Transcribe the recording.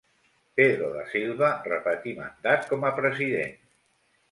Pedro de Silva repetí mandat com a president.